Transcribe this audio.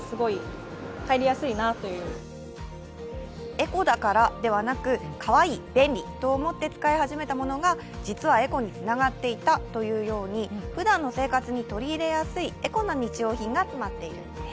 エコだからではなくかわいい、便利と思って使い始めたものが実はエコにつながっていたというように、ふだんの生活に取り入れやすいエコな日用品が詰まっているんです。